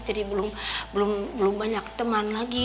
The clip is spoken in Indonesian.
jadi belum banyak teman lagi